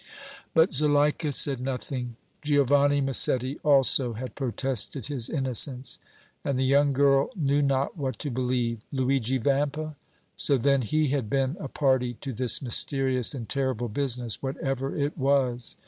But Zuleika said nothing. Giovanni Massetti also had protested his innocence, and the young girl knew not what to believe. Luigi Vampa? So then he had been a party to this mysterious and terrible business, whatever it was!